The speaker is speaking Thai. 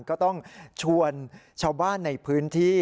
ก็ต้องชวนชาวบ้านในพื้นที่